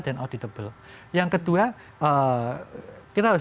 dan auditable yang kedua kita harus